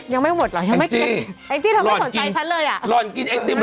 ยังไม่หมดหรอกยังไม่